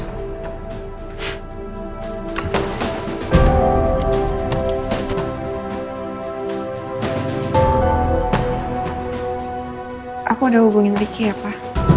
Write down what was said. aku udah hubungin ricky ya pak